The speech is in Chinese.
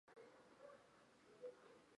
乾隆元年的集福祠。